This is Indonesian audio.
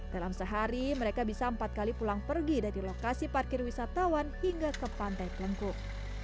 dalam sehari mereka bisa empat kali pulang pergi dari lokasi parkir wisatawan hingga ke pantai pelengkuk